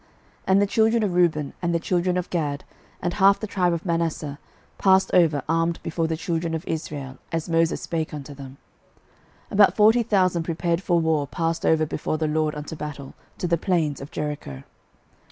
06:004:012 And the children of Reuben, and the children of Gad, and half the tribe of Manasseh, passed over armed before the children of Israel, as Moses spake unto them: 06:004:013 About forty thousand prepared for war passed over before the LORD unto battle, to the plains of Jericho.